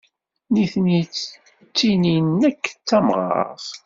Nitni ttinin nekk d tamɣart.